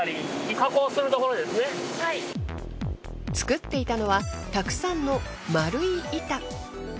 作っていたのはたくさんの丸い板。